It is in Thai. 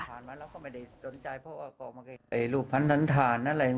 เขาก็ขอมอบตัวอยู่แล้ว